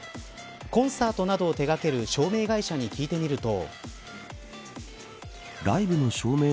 コンサートなどを手掛ける照明会社に聞いてみると。